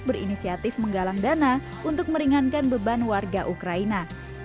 berinisiatif menggalang dana untuk meringankan beban warga ukraina